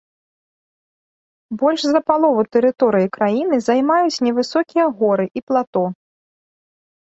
Больш за палову тэрыторыі краіны займаюць невысокія горы і плато.